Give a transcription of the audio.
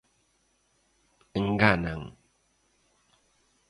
Enganan.